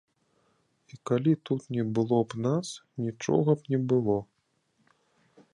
І калі тут не было б нас, нічога б не было.